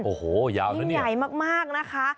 โอ้โหยาวนะเนี่ยใหญ่มากนะคะ